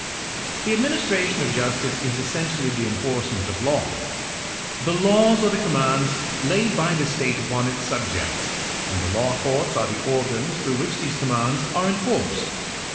The administration of justice is essentially the enforcement of the law. The laws are the commands laid by the state upon its subjects, and the law courts are the organs through which these commands are enforced.